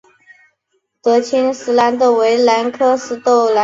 德钦石豆兰为兰科石豆兰属下的一个种。